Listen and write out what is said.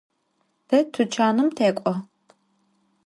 Te tuçanım tek'o.